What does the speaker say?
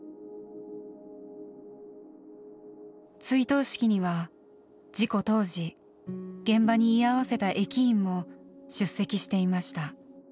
追悼式には事故当時現場に居合わせた駅員も出席していました。